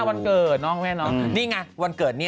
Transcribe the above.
ไปต้องไปอยู่แล้วไป